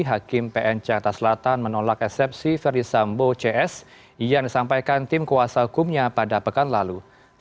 hakim pn jakarta selatan menolak eksepsi ferdisambo cs yang disampaikan tim kuasa hukumnya pada pekan lalu